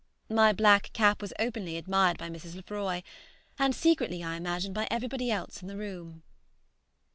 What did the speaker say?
My black cap was openly admired by Mrs. Lefroy, and secretly I imagine by everybody else in the room.